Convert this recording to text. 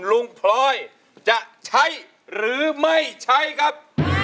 พลอยจะใช้หรือไม่ใช้ครับ